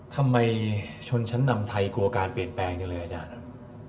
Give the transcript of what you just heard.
ทำไมชนชั้นนำไทยกลัวการเปลี่ยนแปลงจังเลยอาจารย์ครับ